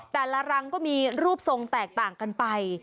รังก็มีรูปทรงแตกต่างกันไป